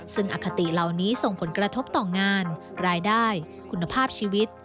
ซึ่งอคติเหล่านี้ส่งผลกระทบต่องานรายได้คุณภาพชีวิต